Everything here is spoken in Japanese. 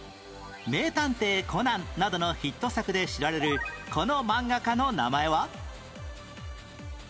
『名探偵コナン』などのヒット作で知られるこの漫画家の名前は？